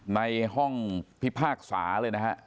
ในห้องพิพากษาเลยนะฮะ